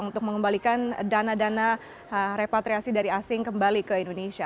untuk mengembalikan dana dana repatriasi dari asing kembali ke indonesia